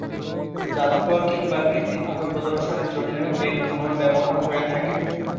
জাদুঘর কিংবা কৃত্রিমভাবে প্রদর্শনের জন্যেও এর পুনর্ব্যবহার হয়ে থাকে।